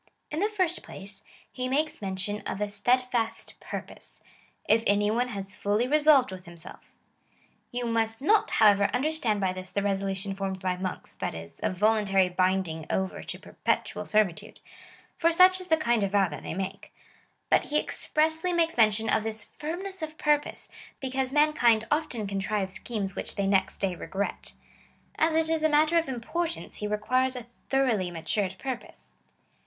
In the first place, he makes mention of a steadfast purpose — If any one has fully resolved with himself You must not, how ever, understand by this the resolution formed by monks — that is, a voluntary binding over to pei petual sei'vitude — for such is the kind of vow that they make ; but he expressly makes mention of this firmness of purpose, because man kind often contrive schemes which they next day regret. As it is a matter of importance, he requires a thoroughly matured purpose.